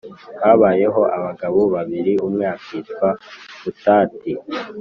Habayeho abagabo babiri, umwe akitwa Butati